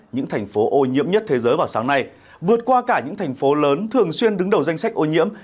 những thành phố ô nhiễm nhất thế giới vào sáng nay vượt qua cả những thành phố lớn thường xuyên đứng đầu danh sách ô nhiễm